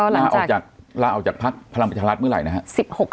ละออกจากพักพลังประชารัฐเมื่อไหร่นะฮะ